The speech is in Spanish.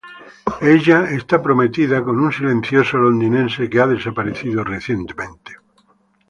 Ella está prometida con un silencioso londinense que ha desaparecido recientemente.